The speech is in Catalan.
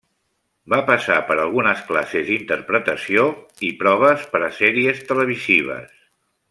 Va passar per algunes classes d'interpretació i proves per a sèries televisives.